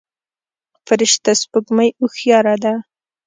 فرشته سپوږمۍ هوښياره ده.